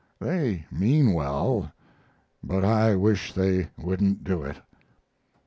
They mean well, but I wish they wouldn't do it."